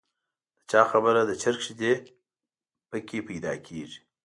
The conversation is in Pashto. د چا خبره د چرګ شیدې په کې پیدا کېږي.